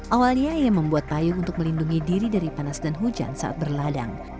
awalnya ia membuat payung untuk melindungi diri dari panas dan hujan saat berladang